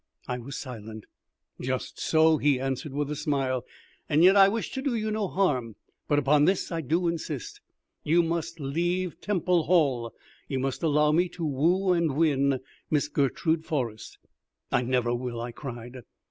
I was silent. "Just so," he answered with a smile; "and yet I wish to do you no harm. But upon this I do insist. You must leave Temple Hall; you must allow me to woo and to win Miss Gertrude Forrest." "I never will," I cried.